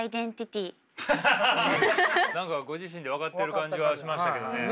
何かご自身で分かってる感じはしましたけどね。